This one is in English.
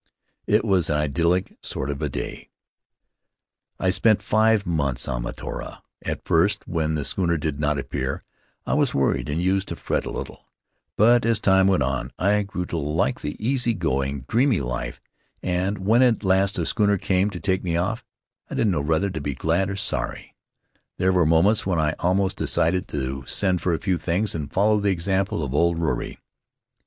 It was an idyllic sort of a day. "I spent five months on Mataora. At first, when the schooner did not appear, I was worried and used to fret a little; but as time went on I grew to like the easy going, dreamy life, and when at last a schooner came to take me off I didn't know whether to be glad or sorry — there were moments when I almost decided to send for a few things and follow the example of old Ruri.